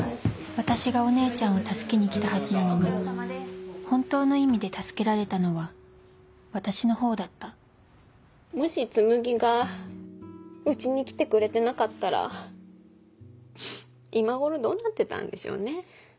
私がお姉ちゃんを助けに来たはずなのに本当の意味で助けられたのは私のほうだったもしつむぎが家に来てくれてなかったら今頃どうなってたんでしょうね。